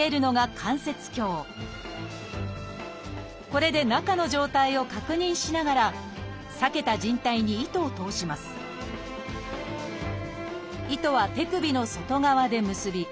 これで中の状態を確認しながら裂けた靭帯に糸を通します糸は手首の外側で結び